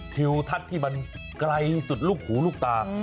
ทิวทัศน์ที่มันไกลสุดลูกหูลูกตา